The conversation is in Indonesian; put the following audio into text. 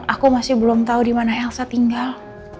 aku masih belum tau dimana elsa tinggal